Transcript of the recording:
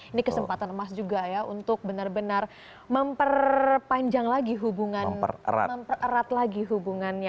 ini kesempatan emas juga ya untuk benar benar memperpanjang lagi hubungan mempererat lagi hubungannya